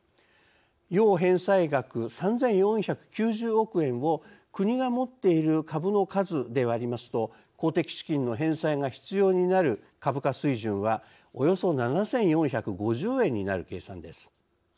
要返済額３，４９０億円を国が持っている株の数で割りますと公的資金の返済が必要になる株価水準はおよそ７，４５０円になる計算です。